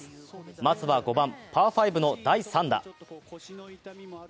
まずは５番パー５の第３打。